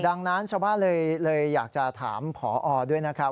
ดังนั้นชาวบ้านเลยอยากจะถามผอด้วยนะครับ